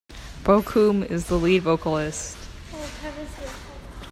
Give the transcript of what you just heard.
Bocoum is the lead vocalist.